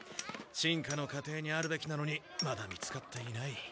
進化の過程にあるべきなのにまだ見つかっていない。